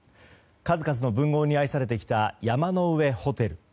数々の文豪に愛されてきた山の上ホテル。